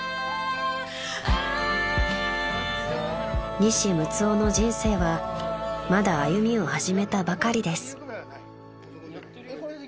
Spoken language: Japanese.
［西六男の人生はまだ歩みを始めたばかりです］